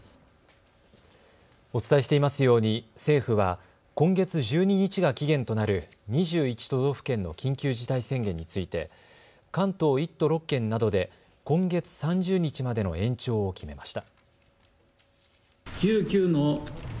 お伝えしていますように政府は今月１２日が期限となる２１都道府県の緊急事態宣言について関東１都６県などで今月３０日までの延長を決めました。